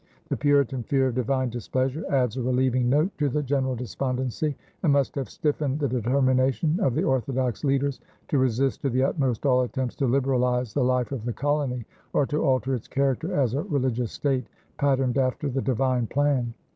The Puritan fear of divine displeasure adds a relieving note to the general despondency and must have stiffened the determination of the orthodox leaders to resist to the utmost all attempts to liberalize the life of the colony or to alter its character as a religious state patterned after the divine plan.